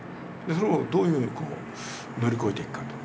それをどういうふうに乗り越えていくかと。